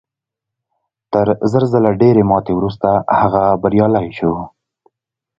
تر زر ځله ډېرې ماتې وروسته هغه بریالی شو